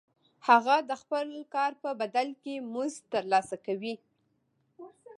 هغه د خپل کار په بدل کې مزد ترلاسه کوي